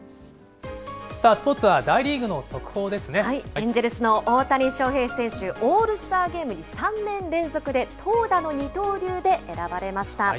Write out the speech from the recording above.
エンジェルスの大谷翔平選手、オールスターゲームに３年連続で、投打の二刀流で選ばれました。